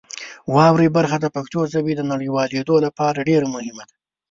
واورئ برخه د پښتو ژبې د نړیوالېدو لپاره ډېر مهمه ده.